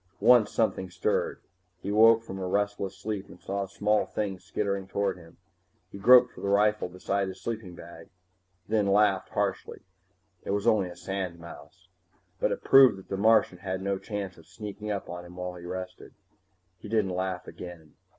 Once something stirred. He woke from a restless sleep and saw a small thing skittering toward him. He groped for the rifle beside his sleeping bag, then laughed harshly. It was only a sandmouse. But it proved that the Martian had no chance of sneaking up on him while he rested. He didn't laugh again.